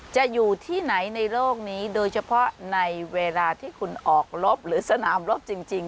อยู่ที่ไหนในโลกนี้โดยเฉพาะในเวลาที่คุณออกรบหรือสนามรบจริง